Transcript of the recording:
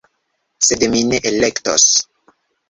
Sed mi ne elektos